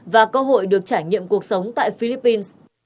và cơ hội được trải nghiệm cuộc sống tại philippines